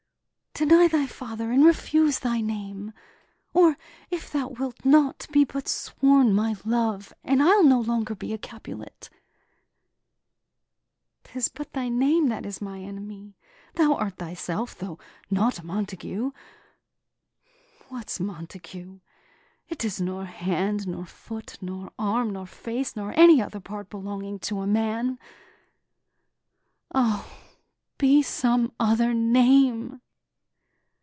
Deny thy father, and refuse thy name; Or if thou wilt not, be but sworn my love, And I'll no longer be a Capulet. 'Tis but thy name that is my enemy: Thou art thyself, though not a Montague; What's Montague? it is nor hand, nor foot, Nor arm, nor face, nor any other part Belonging to a man. O, be some other name!